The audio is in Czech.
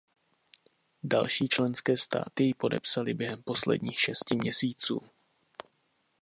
Další členské státy ji podepsaly během posledních šesti měsíců.